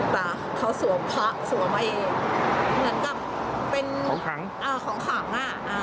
แต่เขาสั่วพระสั่วมาเองเหมือนกับเป็นของขัง